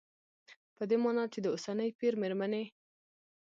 په دې مانا چې د اوسني پېر مېرمنې